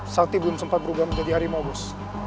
sakti belum sempat berubah menjadi harimau bos